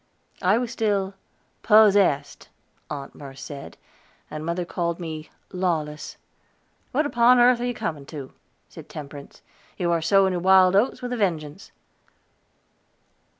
I was still "possessed," Aunt Merce said, and mother called me "lawless." "What upon earth are you coming to?" asked Temperance. "You are sowing your wild oats with a vengeance."